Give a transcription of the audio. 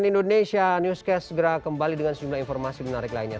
cnn indonesia newscast segera kembali dengan sejumlah informasi menarik lainnya